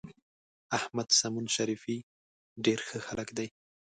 احمد سمون شریفي ډېر ښه هلک دی.